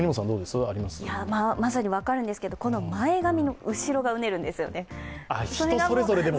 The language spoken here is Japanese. まさに分かるんですが、前髪の後ろがうねるんですよね。